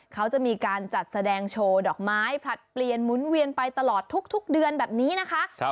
เขาจะมีการจัดแสดงโชว์ดอกไม้ผลัดเปลี่ยนหมุนเวียนไปตลอดทุกเดือนแบบนี้นะคะ